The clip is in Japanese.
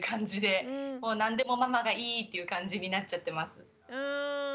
何でもママがいいっていう感じになっちゃってます。